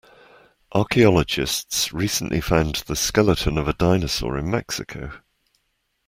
Archaeologists recently found the skeleton of a dinosaur in Mexico.